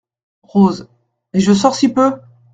Rose Et je sors si peu !